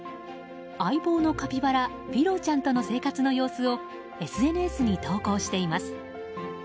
相棒のカピバラフィローちゃんとの生活の様子をＳＮＳに投稿しています。